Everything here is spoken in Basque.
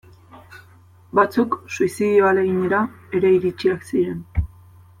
Batzuk suizidio ahaleginera ere iritsiak ziren.